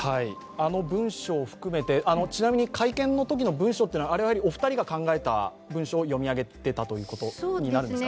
文書を含めて、ちなみに会見のときの文書はお二人が考えた文書を読み上げていたということになるんですか。